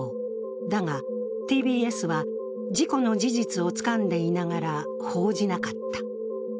だがＴＢＳは、事故の事実をつかんでいながら報じなかった。